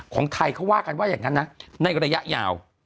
ของไทยเขาว่ากันว่าอย่างนั้นนะในระยะยาว